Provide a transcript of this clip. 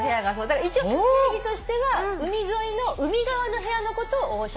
だから一応定義としては海沿いの海側の部屋のことをオーシャンビュー。